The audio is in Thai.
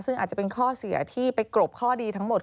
ซึ่งอาจจะเป็นข้อเสียที่ไปกรบข้อดีทั้งหมด